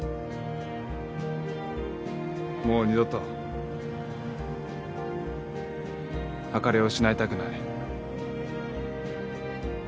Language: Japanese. もう二度とあかりを失いたくない。